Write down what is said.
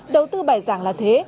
đầu tư bài giảng là thế